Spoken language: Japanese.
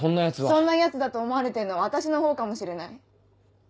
「そんなヤツ」だと思われてるのは私のほうかもしれない。